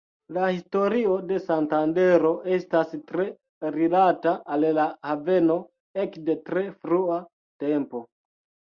La historio de Santandero estas tre rilata al la haveno ekde tre frua tempo.